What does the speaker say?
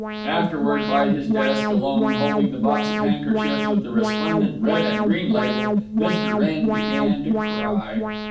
Afterward, by his desk, alone, holding the box of handkerchiefs with the resplendent red and green label, Mr. Wrenn began to cry.